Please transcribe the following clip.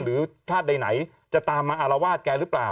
หรือท่าใดไหนจะตามมาอารวาสแกรึเปล่า